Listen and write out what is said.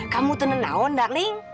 kamu tuh ngenaun darling